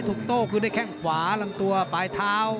ถูกโต้คือได้แค่งขวานลังตัวปลายเท้า